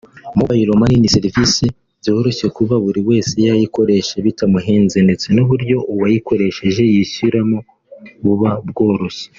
Mobile Money ni serivisi byoroshye kuba buri wese yayikoresha bitamuhenze ndetse n’uburyo uwayikoresheje yishyuramo buba bworoshye